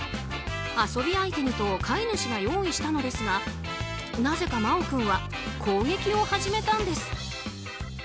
遊び相手にと飼い主が用意したのですがなぜかマオ君は攻撃を始めたんです。